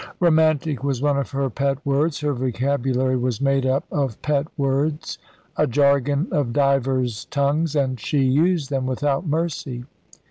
Romantic was one of her pet words. Her vocabulary was made up of pet words, a jargon of divers tongues, and she used them without mercy.